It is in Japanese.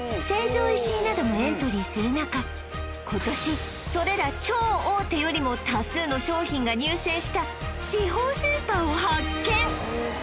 成城石井などもエントリーする中今年それら超大手よりも多数の商品が入選した地方スーパーを発見